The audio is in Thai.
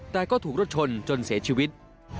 แต่ก็ถูกรถชนจนเสียชีวิต